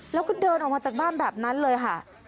แล้วก็เดินออกมาจากบ้านแบบนั้นเลยค่ะ